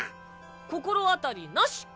心当たりなし！